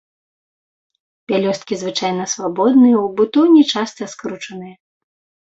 Пялёсткі звычайна свабодныя, у бутоне часта скручаныя.